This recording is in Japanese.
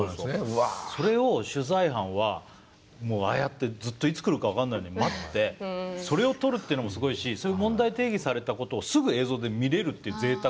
それを取材班はもうああやってずっといつ来るか分かんないんで待ってそれを撮るっていうのもすごいしそういう問題提起されたことをすぐ映像で見れるっていうぜいたくさ。